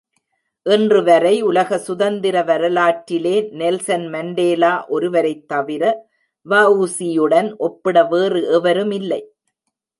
இன்று வரை உலக சுதந்திர வரலாற்றிலே நெல்சன் மண்டேலா ஒருவரைத் தவிர வ.உசியுடன் ஒப்பிட வேறு எவருமில்லை!